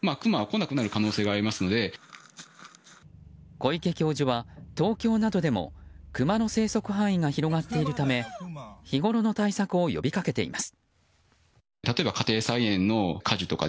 小池教授は東京などでもクマの生息範囲が広がっているため日ごろの対策を呼び掛けています。